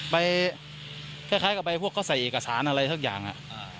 ไปค่ากับไปพวกเค้าใส่เอกสารอะไรทั่วอย่างอะ